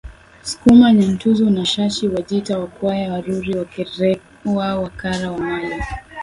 Sukuma Nyantuzu na Shashi Wajita Wakwaya Waruri Wakerewe Wakara Wamalila